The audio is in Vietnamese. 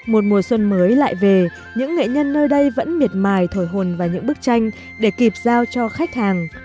một mùa xuân mới lại về những nghệ nhân nơi đây vẫn miệt mài thổi hồn vào những bức tranh để kịp giao cho khách hàng